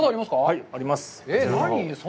はい、あります。